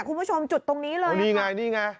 คุณผู้ชมจุดตรงนี้เลย